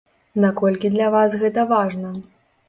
Наколькі для вас гэта важна?